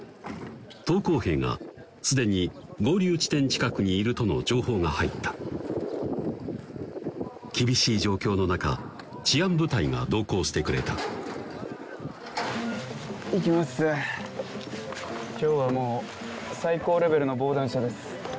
投降兵が既に合流地点近くにいるとの情報が入った厳しい状況の中治安部隊が同行してくれた行きまっせ今日はもう最高レベルの防弾車です